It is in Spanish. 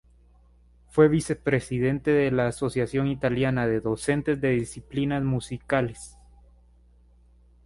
Fue vicepresidente de la asociación italiana de docentes de disciplinas musicales.